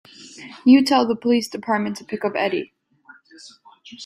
You tell the police department to pick up Eddie.